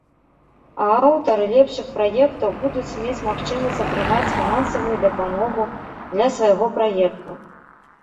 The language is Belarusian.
А аўтары лепшых праектаў будуць мець магчымасць атрымаць фінансавую дапамогу для свайго праекту!